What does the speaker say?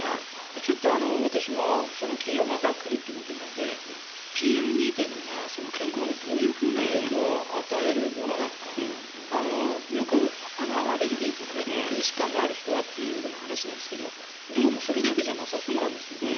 ちょっと私も金曜、また来るということなのでＰＭ２．５が健康にどういうふうな影響を与えるものなのかよくアレルギーとか呼吸器疾患のある人はという話なんですがどうもそれだけじゃなさそうなんですよね。